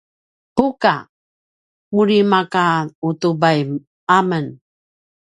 buka: muri maka utubai amen